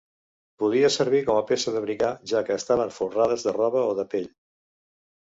Podia servir com a peça d'abrigar, ja que estaven folrades de roba o de pell.